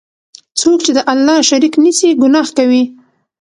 څوک چی د الله شریک نیسي، ګناه کوي.